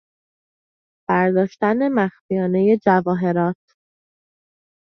برداشتن مخفیانه جواهرات